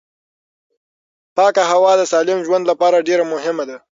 پاکه هوا د سالم ژوند لپاره ډېره مهمه ده